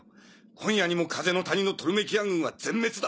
今夜にも風の谷のトルメキア軍は全滅だ。